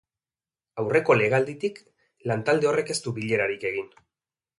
Aurreko legealditik lantalde horrek ez du bilerarik egin.